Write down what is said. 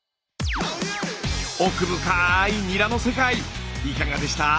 奥深いニラの世界いかがでした？